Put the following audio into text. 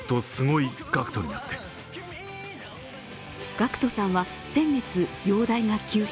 ＧＡＣＫＴさんは先月、容体が急変。